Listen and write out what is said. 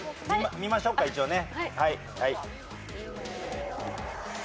見ましょうか一応ね。